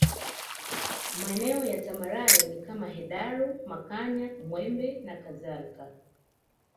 Maeneo ya tambarare ni kama Hedaru Makanya Mwembe na kadhalika